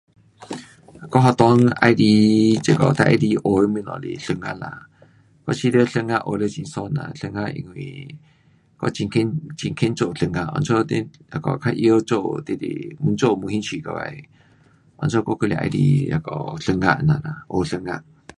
我学堂喜欢，这个最喜欢学的东西是数学啦，我觉得数学学了很爽啦，因为我很棒，很棒做数学，因此你较会晓做你就越做越兴趣起来。因此我还是较喜欢那个数学这样啦，学数学。